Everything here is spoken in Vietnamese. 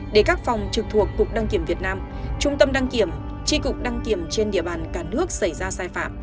để các phòng trực thuộc cục đăng kiểm việt nam trung tâm đăng kiểm tri cục đăng kiểm trên địa bàn cả nước xảy ra sai phạm